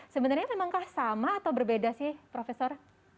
sebenarnya memangkah sama atau berbeda sih profesor